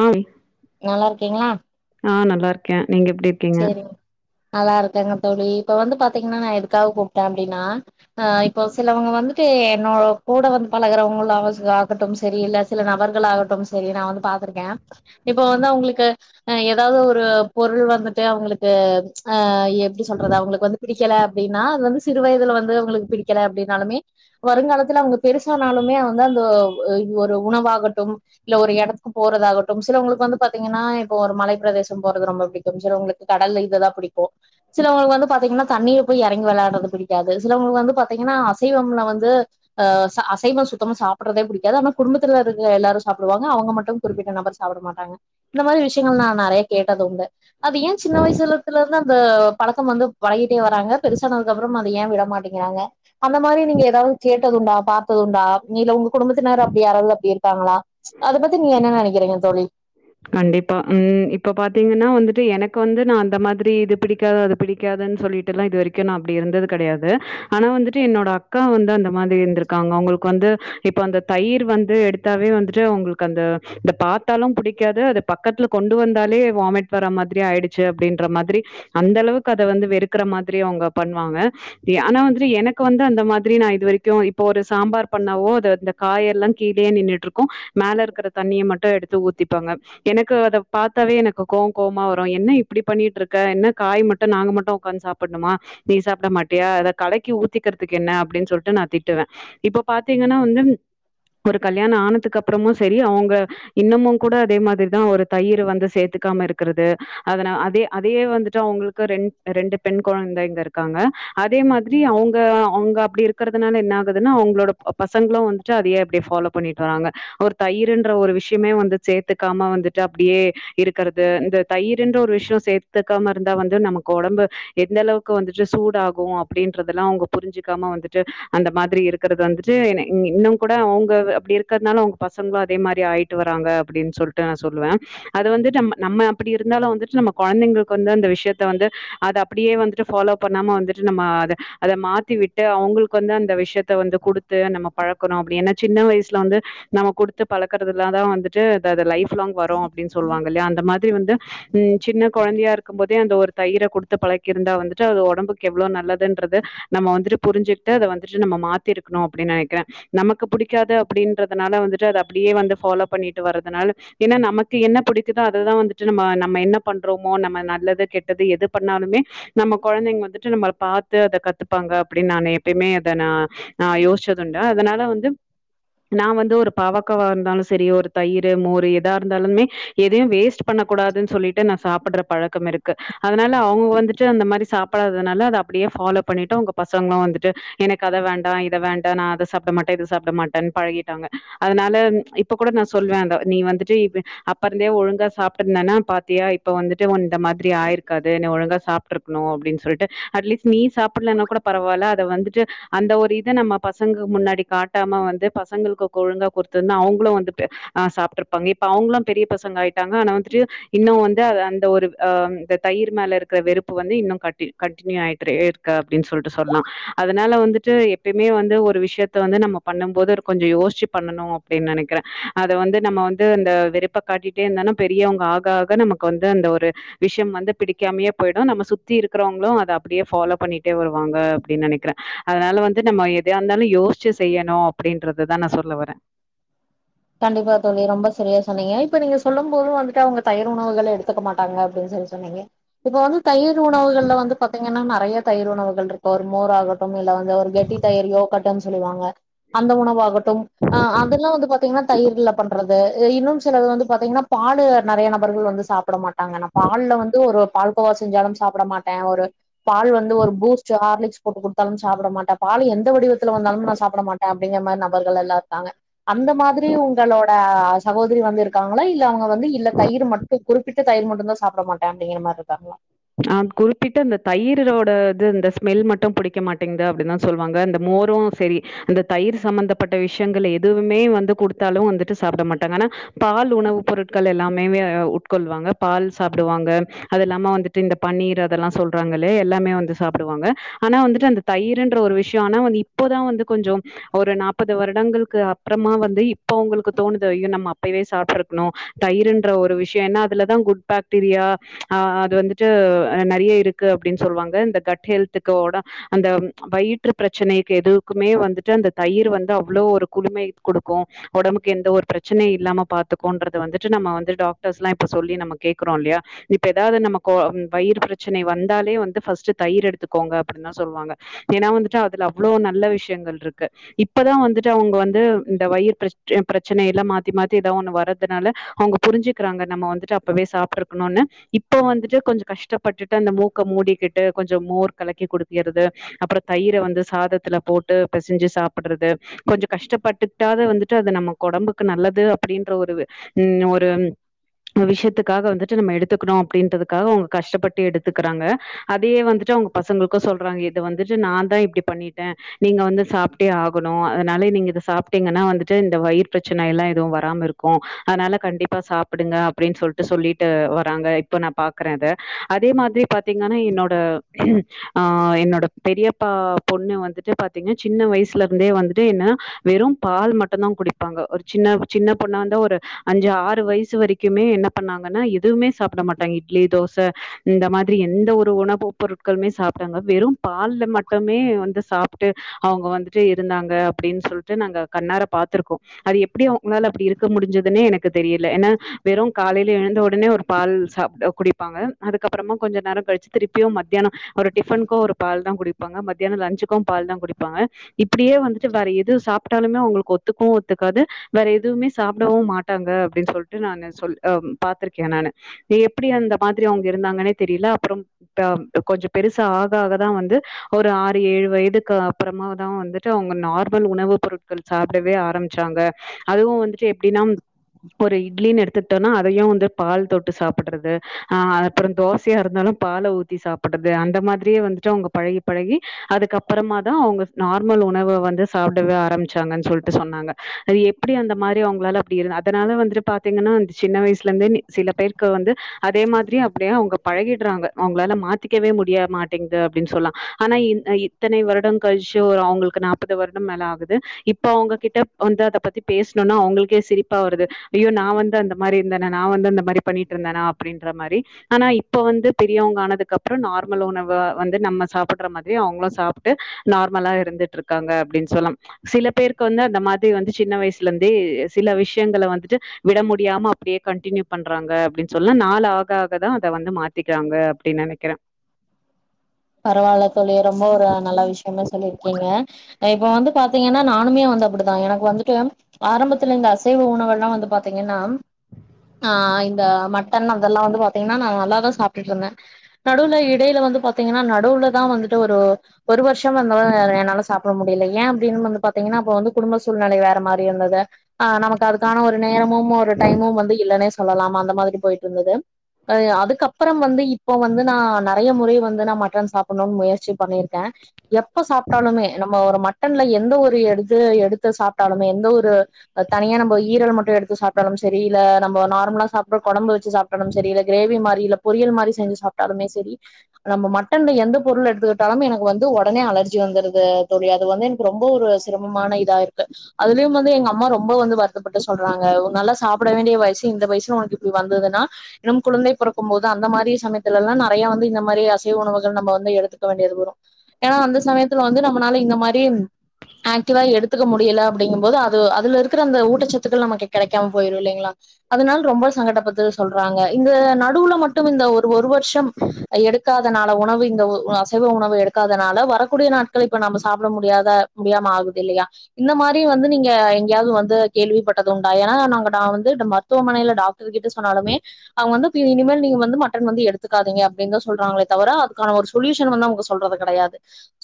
உம் நல்லா இருக்கீங்களா ஆ நல்லாருக்கே நீங்க எப்டி இருக்கீங்க சேரிங்க நல்லா இருக்கங்க தோழி இப்ப வந்து பாத்தீங்ன்னா நா எதுக்காக கூப்ட்டே அப்டின்னா அ இப்போ சிலவங்க வந்துட்டு என்னோட கூட வந்து பழகுறவங்கலாவது ஆகட்டும் சரி இல்ல சில நபர்கள் ஆகட்டும் சரி நா வந்து பாத்துருக்கே இப்ப வந்து அவுங்களுக்கு எதாவது ஒரு பொருள் வந்துட் ச்சே அவுங்களுக்கு அ எப்டி சொல்றது அவுங்களுக்கு வந்து புடிக்கல அப்டின்னா அது வந்து சிறு வயதுல வந்து அவுங்களுக்கு பிடிக்கல அப்டின்னாலுமே வருங்காலத்துல அவுங்க பெருசாானாலுமே வந்து அந்தோ ஒ ஒரு உணவாகட்டு இல்ல ஒரு எடத்துக்கு போறதாகட்டு சிலவங்களுக்கு வந்து பாத்தீங்கன்னா இப்போ ஒரு மலை பிரதேசம் போறது ரொம்ப பிடிக்கும் சிலவங்களுக்கு கடல் இததா புடிக்கு சிலவங்களுக்கு வந்து பாத்தீங்ன்னா தண்ணியில் போய் எறங்கி வெள்ளாடறதுக்கு புடிக்காது சிலவங்களுக்கு வந்து பாத்தீங்கன்னா அசைவம்ல வந்து அ ச அசைவம் சுத்தமா சாப்ட்றதே புடிக்காது ஆன குடும்பத்துல இருக்க எல்லாரு சாப்புடுவாங்க அவுங்க மட்டு குறிப்பிட்ட நபர் சாப்புட மாட்டாங்க இந்த மாரி விஷ்யங்கள் நறைய கேட்டதுண்டு எ சின்ன வயசுலத்துல நா அந்த பழக்கம் வந்து பழகிட்டே வராங்க பெருசானதுக்கு அப்புறோ அத ஏன் விடமாட்டேங்கிறாங்க அந்த மாரி நீங்க எதாவது கேட்டதுண்டா பாத்ததுண்டா இல்ல உங்க குடும்பத்தினர் அப்புடி யாராவது அப்புடி இருக்காங்களா அதப்பத்தி நீங்க என்ன நெனைக்கிறீங்க தோழி கண்டிப்பா உம் இப்ப பாத்தீங்கென்னா வந்துட்டு எனக்கு வந்து நா அந்த மாதிரி இது பிடிக்காாத பிடிக்காதுன் சொல்லிட்ல்லா இது வரைக்கு நா அப்பாடி இருந்தது கடையாது ஆனா வந்துட்டு என்னோட அக்கா வந்து அந்த மாதிரி இருந்திருக்காங்க அவுங்களுக்கு வந்து இப்ப அந்த தயிர் வந்து எடுத்தாவே வந்துட்டு அவுங்களுக்கு அந்த இத பாத்தாலும் புடிக் பிடிக்காது அத பக்கத்துல கொண்டு வந்தாலே வாமிட் வர மாதிரி ஆயிடுச்சு அப்டின்ற மாதிரி அந்த அளவுக்கு அத வந்து வெறுக்கற மாதிரி அவுங்க பண்வாங்க ஆனா வந்து எனக்கு வந்து அந்த மாதிரி நா இது வரைக்கு இப்போ ஒரு சாம்பார் பண்ணாவோ அது அந்த காய எல்லா கீழே நின்னுட்ருக்கு மேல இருக்கற தண்ணியை மட்டு எடுத்து ஊத்தி ட்டுவாங்க எனக்கு அத பாத்தாவே எனக்கு கோவோ கோம்மா வரு என்ன இப்புடி பண்ணிட்ருக்க என்ன காய் மட்டு நாங்க மட்டு உ்காந்து சாப்புடணுமா நீ சாப்புட மாட்டியா அத கலக்கி ஊத்திக்கிறதுக்கு என்ன அப்டின்னு சொல்ட்டு நா திட்டுவே இப்ப பாத்தீங்கென்னா வந்து ஒரு கல்யாணோ ஆனதுக்கு அப்புறமு செரி அவுங்க இன்னும்முக் கூட அதே மாதிரிதா ஒரு தயிர் வந்து சேத்துக்காம இருக்கறது அதன அதே அதே வந்துட்டு அவுங்களுக்கு ரெண்-ரெண்டு பெண் கொழந்தைங்க இருக்காங்க அதே மாதிரி அவுங்க அவுங்க அப்புடி இருக்கறதுனால என்ன ஆகுதுன்னா அவுங்களோட பசங்களு வந்துட்டு அதையே அப்டி ஃபாலோ பண்ணிட்றாங்க ஒரு தயிர்ன்ற ஒரு விஷ்யமே வந்து சேத்துக்காம வந்துட்டு அப்டியே இருக்கறது இந்த தயிருன்ற ஒரு விஷ்யோ சேத்துக்காம இருந்தா வந்து நமக்கு ஒடம்பு எந்த அளவுக்கு வந்துட்டு சூடாகும் அப்டின்றதெல்லா அவுங்க புரிஞ்சுக்காம வந்துட்டு அந்த மாதிரி இருக்கறது வந்துட்டு இ இன்னு கூட அவுங்க அப்புடி இருக்கறதுனால அவுங்க பசங்களுமன அதே மாரி ஆயிட்டு வராங்க அப்டின்னு சொல்ட்டு நா சொல்லுவே அது வந்துட்டு நம் நம்ம அப்புடி இருந்தாலு வந்துட்டு நம்ம கொழந்தைங்களுக்கு வந்து அந்த விஷ்யத்த வந்து அத அப்புடியே வந்துட்டு ஃபாலோ பண்ணாம வந்துட்டு நம்ம அத அத மாத்தி விட்டு அவுங்களுக்கு வந்து அந்த விஷ்யத்த வந்து கொடுத்து நம்ம பழக்கணு அப்புடின்னு சின்ன வயசுல வந்து நம்ம கொடுத்து பழக்கறதுல தா வந்துட் ட்டு அந்த அந்த லைஃப் ஃபுல்லாங் வரோ அப்டின் சொல்லு வாங்க இல்லையா அந்த மாதிரி வந்து உம் சின்ன கொழந்தையாருக்கும்போதே அந்த ஒரு தயிரை கொடுத்து பழக்கிருந்தா வந்துட்டு அது ஒடம்புக்கு எவ்ளேவு நல்லதுன்றது நம்ம வந்துட்டு புரிஞ்சுக்ட்டு அத வந்துட்டு நம்ம மாத்திருக்கணு அப்புடின்னு நெனைக்கிறே நமக்கு புடிக்காது அப்டின்றதுனால வந்துட்டு அத அப்புடியே வந்து ஃபாலோப் பண்ணிட்டு வரதுனால ஏன்னா நமக்கு என்ன புடிக்குதோ அததா வந்துட்டு நம்ம நம்ம என்ன பண்றோமோ நம்ம நல்லது கெட்டது எது பண்ணாலுமே நம்ம கொழந்தைங்க வந்துட்டு நம்ம அத பாத்து அத கத்துப்பாங்க அப்பிடின் நானே எப்பயுமே அத நா ஆஹ் யோசிச்சதுண்ட அதனால வந்து நா வந்து ஒரு பாவக்கவா இருந்தாலு ஸ் எதையு வேஸ்ட் பண்ண கூடாதுன் சொல்லிட்டு நா சாப்பிட்ற பழக்கமிருக்கு அதனால அவங் வந்துட்டு அந்த மாரி சாப்படாததுனால அத அப்படியே ஃபாலோ பண்ணிட்டு உங்க பசங்களு வந்துட்டு எனக்கு அத வேண்டா இத வேண்டா நா அத சாப்ட மாட்டே இத சாப்ட மாட்டன் பழகிட்டாங்க அதனால இப்ப கூட நா சொல்வே அத நீ வந்துட்டு [unintelligible] அப்ப இருந்தே ஒழுங்கா சாப்ட்ருந்தேனா பாத்தியா இப்ப வந்து டு இந்த மாதிரி ஆயிருக்காது இனி ஒழுங் லா சாப்ட்ருக்னு அப்டின் சொல்ட்டு அட்லீஸ் நீ சாப்பிட்லனா கூட பரவால்ல அத வந்துட்டு அந்த ஒரு இத நம்ம பசங்க முன்னாடி காட்டாம வந்து பசங்களுக்கு ஒழுங்கா குடுத்துருந்தா அவங்களு வந் ஆஹ் சாப்ட்ருப்பாங்க இப்ப அவங்கலா பெரிய பசங்க ஆயிட்டாங்க ஆனா வந்துட்டு இன் இன்னு வந்து அந்த ஒரு ஆ இந்த தயிர் மேல இருக்கிற வெறுப்பு வந்து இன்னு க கண்டினியூ ஆகிட்டு இருக்கு அப்டின்னு சொல்லிட்டு சொல்லலா அதனால வந்துட்டு எப்யுமே வந்து ஒரு விஷயத்த வந்து நம்ம பண்ணு போது கொஞ்சோ யோசிச்சு பண்ணணு அப்டின்னு நெனைக்கிறே அத வந்து நம்ம வந்து இந்த வெறுப்ப காட்டிட்டே இருந்தாலு பெரியவங்க ஆக ஆக நமக்கு வந்து அந்த ஒரு விஷயம் வந்து பிடிக்காமயே போயிடு நம்ம சுத்தி இருக்கிறவங்களு அதை அப்டியே ஃபாலோ பண்ணிட்டே வருவாங்க அப்படின்னு நெனைக்கிறே அதனால வந்து நம்ம எதையா இருந்தாலு யோசிச்சு செய்யணு அப்டின்றதுதான் நா சொல்ல வறேன் கண்டிப்பா தோழி ரொம்ப சரியா சொன்னீங்க இப்ப நீங்க சொல்லும் போதும் வந்துட்டு அவங்க தயிர் உணவுகளை எடுத்துக்க மாட்டாங்க அப்படின்னு சொல்லி சொன்னீங்க இப்ப வந்து தயிர் உணவுகள்ல வந்து பாத்தீங்கன்னா நெறைய தயிர் உணவர்கள் இருக்கு ஒரு மோர் ஆக அப்றம் இல்ல வந்து ஒரு கெட்டி தயிரயோ [unintelligible] சொல்லுவாங்க அந்த உணவாகட்டும் அதெல்லா வந்து பாத்தா இன்னும் சிலது வந்து பாத்தீங்கன்னா பால் நெறைய நபர்கள் வந்து சாப்ட மாட்டாங்க டாங்க நா பால் ல வந்து ஒரு பால் கோவா செஞ்சாலு சாப்ட மாட்டே ஒரு பால் வந்து ஒரு பூஸ்ட் கார்லிக்ஸ் போட்டு கொடுத்தாலு சாப்ட மாட்டே பால் எந்த வடிவத்துல வந்தாலும் நா சாப்ட மாட்டே அப்படிங்கிற மாரி நபர்கள் எல்லா இருக்காங்க அந்த மாரி சரி உங்களோட சகோதரி வந்து இருக்காங்களா இல்ல அவங்க வந்து இல்ல தயிர் மட்டு குறிப்பிட்டு தயிர் மட்டும்தா சாப்பிட மாட்டே அப்டிங்கிற மாரி இருக்காங்களா அ குறிப்பிட்டு அந்த தயிரோட இது இந்தந்த ஸ்மெல் மட்டு பிடிக்க மாட்டேங்குது அப்டின்னுதா சொல்லுவாங்க அந்த மோரும் சரி அந்த தயிர் சம்பந்தப்பட்ட விஷயங்கள் எதுவுமே வந்து கொடுத்தாலு வந்துட்டு சாப்பிட மாட்டாங்க ஆனா பால் உணவு பொருட்கள் எல்லாமே உட்கொள்வாங்க பால் சாப்பிடுவாங்க அது இல்லாம வந்துட்டு இந்தப் பன்னீர் அதெல்லாம் சொல்றாங்களே எல்லாமே வந்து சாப்டுவாங்க ஆனா வந்துட்டு அந்த தயிருன்ற ஒரு விஷயொ ஆனா வந் இப்பொதா வந்து கொஞ்சொ ஒரு நாப்பது வருடங்களுக்கு அப்றமா வந்து இப்பொ அவங்களுக்கு தோணுது அய்யோ நம்ம அப்பய்வே சாப்ட்ருக்கணு தயிருன்ற ஒரு விஷயொ ஏன்னா அதுலதா குட் பேக்டீரியா ஆ அது வந்து டு நிறைய இருக்கு அப்டின் சொல்லுவாங்க இந்த கட்ஹெல்த்துக்கு ஒட அந்த வயிற்று பிரச்சனைக்கு எதுக்குமே வந்துட்டு அந்த தயிர் வந்து அவ்ளோ ஒரு குழுமை குடுக்கு உடம்புக்கு எந்த ஒரு பிரச்சனை இல்லாம பாத்துக்குன்றது வந்துட்டு நம்ம வந்து டாக்டர்ஸ்லா இப்ப சொல்லி நம்ம கேக்குறோ இல்லையா இப்ப ஏதாவது நம கோவம் வயிரு பிரச்சனை வந்தாலே வந்து ஃபஸ்ட்டு தயிர் எடுத்துக்கோங்க அப்டின்தா சொல்லுவாங்க ஏன்னா வந்துட்டு அதுல அவ்ளோ நல்ல விஷயங்கள் இருக்கு இப்பதான் வந்துட்டு அவங்க வந்து இந்தவயிர் பிரச் பிரச்சனைலாம் மாத்தி மாத்தி ஏதா ஒண்ணு வர்றதுனால அவங்க புரிஞ்சிக்றாங்க நம்ம வந்துட்டு அப்பவே சாப்பிட்ருக்கணுன்னு இப்ப வந்துட் டு கொஞ்சொ கஷ்டப்பட்டுட்டு அந்த மூக்க மூடிக்கிட்டு கொஞ்சொ மோர் கலக்கி குடிக்கிறது அப்றொ தயிர வந்து சாதத்துல போட்டு பெசஞ்சு சாப்புட்றது கொஞ்சொ கஷ்டப்பட்டுட்டாது வந்துட்டு அது நமக்கொடம்புக்கு நல்லது அப்டின்ற ஒரு உ ஒரு விஷயத்துக்காக வந்துட்டு நம்ம எடுத்துக்கணு அப்டின்றது காவ் கஷ்டப்பட்டு எடுத்துக்கறாங்க அதையே வந்துட்டு அவங்க பசங்களுக்கு சொல்றாங்க இத வந்துட்டு நாந்தா இப்டி பண்ணிட்டே நீங்க வந்து சாப்ட்டே ஆகணு அதனால நீங்க இத சாப்பிட்டீங்கனா வந்துட்டு இந்த வயிர் பிரச்சனை எல்லா எதுவும் வராம இருக்கு அதனால கண்டிப்பா சாப்புடுங்க அப்டின் சொல்லிட்டு சொல்லிட்டு வராங்க இப்ப நா க்ற அத அதே மாதி பாத்திங்கனா என்னோட ஆஹ் என்னோட பெரியப்பா பொண்ணு வந்துட்டு பாத்தீங்னா சின்ன வயசுல இருந்தே வந்துட்டு என்னா வெறும் பால் மட்டுந்தா குடிப்பாங்க ஒரு சின்ன சின்ன பொண்ணு வந்த ஒரு அஞ்சு ஆறு வயசு வரைக்குமே என்ன பண்ணாங்கன்னா எதுவுமே சாப்ட மாட்டாங்க இட்லி தோசை இந்த மாதிரி எந்த ஒரு உணவு பொருட்களுமே சாப்ட்டாங்க வெறும் பால்ல மட்டுமே வந்து சாப்ட்டு அவங்க வந்துட்டு இருந்தாங்க அப்டின் சொல்ட்டு நாங்க கண்ணார பாத்துருக்கோ அது எப்டி அவங்களால அப்டி இருக்க முடிஞ்சதுன்னே எனக்கு தெரியல ஏன்னா வெறு காலைல எழுந்த ஒடனே ஒரு பால் சாப்ட்டு குடிப்பாங்க அதுக்கப்புறமா கொஞ்ச நேரோ கழிச்சு திருப்பியு மத்யானோ ஒரு டிஃபன்க்கோ ஒரு பால் தா குடிப்பாங்க மத்தியானொ லன்ச்சுக்கு பால் தான் குடிப்பாங்க இப்டியே வந்துட்டு வேற எது சாப்ட்டாலுமே அவங்களுக்கு ஒத்துக்கவு ஒத்துக்காது வேற எதுவுமே சாப்பிடவு மாட்டாங்க அப்டின் சொல்ட்டு நான் சொ பாத்ருக்கே நானு அப்டி அந்த மாதிரி அவங்க இருந்தாங்கன்னே தெரியல அப்றம் ட கொஞ்சம் பெருசா ஆக ஆக தா வந்து ஒரு ஆறு ஏழு வயதுக்கு அப்பறமா தா வந்துட்டு அவங்க நார்மல் உணவு பொருட்கள் சாப்பிடவே ஆரம்பிச்சாங்க அதுவு வந்துட்டு எப்டின்னா ஒரு இட்லின்னு எடுத்துக்ட்டோனா அதையு வந்து பால் தொட்டு சாப் பிட்றது ஆ அப்புறொ தோசையாருந்தாலு பாலை ஊத்தி சாப் பட்டது அந்த மாதிரியே வந்துட்டு அவங்க பழகி பழகி அதுக்கப்பறமாதா அவங்க நார்மல் உணவ வந்து சாப்டவே ஆரம்பிச்சாங்கன் சொல்ட்டு சொன்னாங்க அது எப்படி அந்த மாதிரி அவங்களால அப்டி இருந் அதனால வந்துட்டு பாத்தீங்கன்னா சின்ன வயசுல இருந்தே சில பேர் க வந்து அதே மாதிரிய அப்படியே அவங்க பழகிட்றாங்க அவங்களால மாத்திக்கவே முடியா மாட்டேங்து அப்டின் சொல்லா ஆனா இ இத்தனை வருடம் கழிச்சு ஒரு அவங்களுக்கு நாற்பது வருடம் மேல ஆகுது இப்ப அவங்ககிட்ட வந்து அத பத்தி பேசணொன்னா அவங்களுக்கே சிரிப்பா வருது ஐயோ நா வந்து அந்த மாரி இருந்தன நா வந்து அந்த மாரி பணிட்ருந்தனா அப்டின்ற மாரி ஆனா இப்பொ வந்து பெரியவங்க ஆனதுக்கப்றொ நார்மல் உணவு வந்து நம்ம சாப்புட்ற மாதிரி அவங்களு சாப்ட்டு நார்மலா இருந்துட்ருக்காங்க அப்டின் சொல்லாம் சில பேருக்கு வந்து அந்த மாதி வந்து சின்ன வயசுலந்தே சில விஷயங்களை வந்துட்டு விட முடியாம அப்படியே கண்டின்யூ பண் ராங்க அப்டின் சொல்லா நாலு ஆக ஆக தான் அத வந்து மாத்திட்டாங்க அப்டி நெனைக்கிறே பரவால்ல தோழி ரொம்ப ஒரு நல்ல விஷயமே சொல்லிருக்கிங்க இப்ப வந்து பாத்தீங்கன்னா நானுமே வந்து அப்படிதா எனக்கு வந்துட்டு ஆரம்பத்துல இந்த அசைவ உணவு எல்லா வந்து பாத்தைங்கன்னா ஆஹ் இந்த மட்டன் அதெல்லா வந்து பாத்தைங்கன்னா நா நல்லாதா சாப்ட்டுட்ருந்தே நடுவுல இடையில வந்து பாத் திங்கனா நடுவுல தா வந்துட்டு ஒரு ஒரு வருஷம் வந்து என்னால சாப்ட முடியல ஏ அப்டினு வந்து பாத்திங்கனா அப்ப வந்து குடும்ப சூழ்நிலை வேற மாதிரி இருந்தது அஹ் நமக்கு அதுக்கான ஒரு நேரமும் ஒரு டைமும் வந்து இல்லனே சொல்லலாம் அந்த மாதிரி பொயிட்ருந்தது அதேயா அதுக்கப்பறம் வந்து இப்ப வந்து ந நெறைய முறை வந்து தனா மட்டன் சாப்புட்னும் முயற்சி பண்ணிருக்கே எப்ப சாப்ட்டாலுமே நம்ம ஒரு மட்டன்ல எந்த ஒரு எடுத்து எடுத்து சாப்ட்டாலுமே எந்த ஒரு தனியா நம்ப ஈரல மட்டும் எடுத்து சாப்டாலும் சரி இல்ல நம்ம நார்மலா சாப்ட்டு கொழம்பு சாப்ட்டலும் சரி இல கிரேவி மார் இல்ல பொரியல் மாரி செஞ்சு சாப்ட்டாலுமே செரி நம்ம மட்டன்ல எந்த பொருள் எடுத்துக்கிட்டாலும் எனக்கு வந்து ஒடனே அலர்ஜி வந்துருது தோழி அது வந்து எனக்கு ரொம்ப ஒரு சிரமமான இதா இருக்கு அதுலயு வந்து எங்க அம்மா ரொம்ப வந்து வருத்தப்பட்டு சொல்றாங்க ஒரு நல்லா சாப்ட வேண்டிய வயசு இந்த வயசுல உனக்கு இப்டி வந்ததுன்னா இன்னு குழந்தை பொறக்கும்போது அந்த மாரி சமயத்துலல்லா நறையா வந்து இந்த மாரி அல் ர்ஜி உணவுகள் நம்ம வந்து எடுத்துக்க வேண்டியது வரு ஏனா அந்த சமயத்துல வந்து நம்மனால இந்த மாரி ஆக்டிவா எடுத்து க்க முடியல அப்டிங்கபோது அது அதுல இருக்கற அந்த ஊட்டச்சத்துக்கள் நமக்கு கெடைக்காம போய்டு இல்லைங்களா அதனால் ரொம்ப சங்கடபதில் சொல்றாங்க இந்த நடுவுல மட்டும் இந்த ஒரு ஒரு வருஷோம் எடுக் காதனால உணவு இங்க ஒ ஒ அசைவ உணவு எடுக்காதனால வரக்கூடிய நாட்கள் இப்ப நம்ம சாப்ட முடியாத முடியாம ஆகுது இல்லையா இந்த மாரி வந்து நீங்க எங்கயாவது வந்து கேள்விப்பட்டது உண்டா ஏனா நாங்க நா வந்து மருத்துவமனைல டாக்டர்க்கிட்ட சொன்னாலுமே அவுங்க வந்து பிரி இனிமேல் நீங்க வந்து மட்டன் வந்து எடுத்துக்காதீங்க அப்டின்தா சொல்றாங்களே தவுர அதுக்கான ஒரு சொலியூஷன் வந்து அவுங்க சொல்றது கடையாது.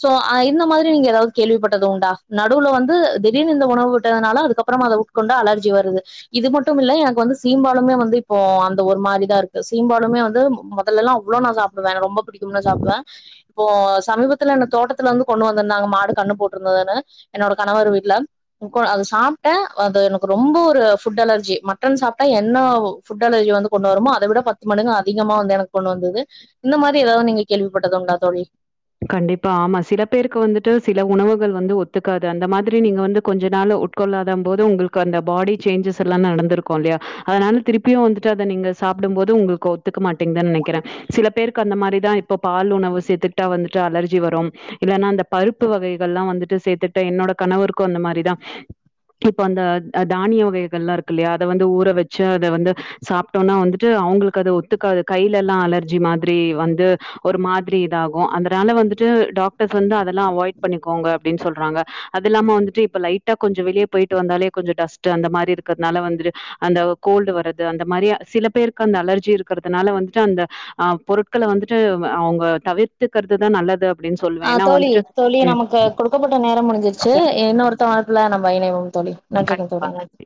சோ ஆஹ் இந்த மாதிரி நீங்க எதாவது கேள்விப்பட்டது உண்டா நடுவுல வந்து திடீர்னு இந்த உணவு விட்டதுனால அதுக்கப்புறோமா அத உட்கொண்டா அலர்ஜி வருது இது மட்டும் இல்ல எனக்கு வந்து சீம்பாலுமே வந்து இப்போ அந்த ஒரு மாரிதா இருக்கு சீம்பாலுமே வந்து மொதலெல்லா அவ்ளோ நா சாப் டுவே ரொம்போ புடிக்கும்னு சாப்டுவே இப்போ சமீபத்துல என்ன தோட்டத்துல வந்து கொண்டு வந்திருந்தாங்க மாடு கண்ணு போட்டுருந்ததுன்னு என்னோட கணவர் வீட்ல ன்கோ அது சாப்ட்ட அது எனக்கு ரொம்ப ஒரு ஃபுட் அலர்ஜி மட்டன் சாப்ட்டா என்ன ஃபுட் அலர்ஜி வந்து கொண்டு வருமோ அத விட பத்து மடங்கு அதிகமா வந்து எனக்கு கொண்டு வந்தது இந்த மாரி எதாவது நீங்க கேள்விப்பட்டது உண்டா தோழி கண்டிப்பா ஆமா சில பேருக்கு வந்துட்டு சில உணவுகள் வந்து ஒத்துக்காது அந்த மாதிரி நீங்க வந்து கொஞ்ச நாள் உட்கொள்ளாத போது உங்களுக்கு அந்த பாடி சேஞ்சஸ் எல்லாம் நடந்திருக்கு இல்லையா அதனால திருப்பியு வந்துட்டு அத நீங்க சாப்டும் போது உங்களுக்கு ஒத்துக்க மாட்டேங்துன்னு நெனைக்கிறே சில பேருக்கு அந்த மாரிதா இப்ப பால் உணவு சேத்து ட்டா வந்துட்டா அலர்ஜி வரும் இல்லனா அந்த பருப்பு வகைகள்லா வந்துட்டு சேத்துக்ட்டா என்னோட கணவருக்கு அந்த மாரிதா இப்ப அந்த அ தானிய வகைகள்லா இருக்கில்லையா அத வந்து ஊற வெச்சு அத வந்து சாப்ட்டோம்னா வந்துட்டு அவுங்களுக்கு அது ஒத்துக்காது கையிலேலா அலர்ஜி மாதிரி வந்து ஒரு மாதிரி இதாக் கு அதனால வந்துட்டு டாக்டர் வந்து அதெல்லா அவாய்ட் பண்ணிக்கோங்க அப்டின்னு சொல்றாங்க அது இல்லாம வந்துட்டு இப்ப லைட்டா கொஞ்சோ வெளிய போய்ட்டு வந்தாலே கொஞ்சோ டஸ்ட் அந்த மாரி இருக்கறதுனால வந்துட்டு அந்த கோல்டு வரது அந்த மாரி சில பேருக்கு அந்த அலர்ஜி இருக்கறதுனால வந்துட்டு அந்த அஹ் பொருட்கள வந்துட்டு அவுங்க தவிர் த்துக்கறதுதா நல்லது அ தோழி தோழி ம் நமக்கு கொடுக்கப்பட்ட நேரம் முடிஞ்சிருச்சு இன்னொரு தொடர்புல நம்ம இணைவோ. தோழி நன்றிகள் தோழி நன்றி